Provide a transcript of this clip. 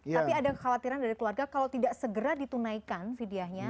tapi ada kekhawatiran dari keluarga kalau tidak segera ditunaikan vidyahnya